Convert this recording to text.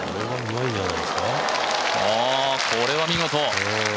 これは見事。